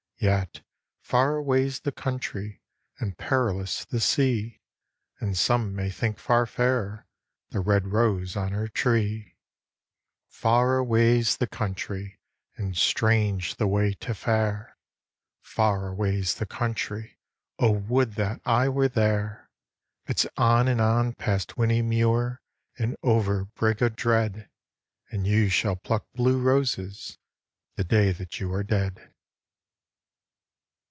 Yet, far away"! the country, and feriloui the sea. And some may think far fairer the red rose on her tree. Far awa/i the country, and strange the way to fare. Far aviay'i the country— O would that I were there! Ifs on and on fast IFhinny Muir and over Brig o' Dread. And you shall pluck blue roses the day that you are dead.